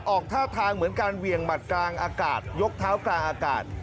ออกท่าทางเหมือนการเหวี่ยงหมัดกลางอากาศยกเท้ากลางอากาศ